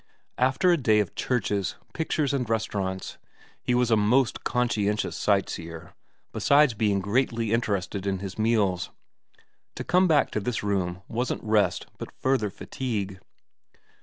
After a day of churches, pictures and restaurants he was a most conscientious sightseer, 146 nr VERA 147 besides being greatly interested in his meals to come back to this room wasn't rest but further fatigue.